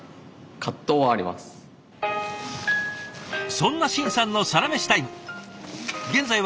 そんな眞さんのサラメシタイム。